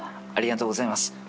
ありがとうございます。